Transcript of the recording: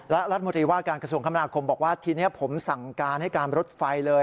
รัฐมนตรีว่าการกระทรวงคมนาคมบอกว่าทีนี้ผมสั่งการให้การรถไฟเลย